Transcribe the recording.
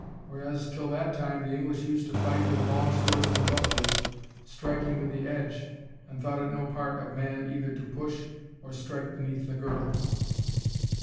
Whereas, till that time, the English used to fight with long swords and bucklers, striking with the edge, and thought it no part of man either to push or strike beneath the girdle.